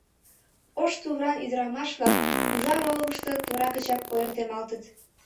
Ош тувыран ӱдрамаш-влак ужар олыкышто тора гычак ойыртемалтыт.